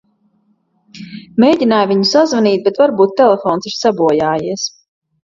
Mēģināju viņu sazvanīt, bet varbūt telefons ir sabojājies.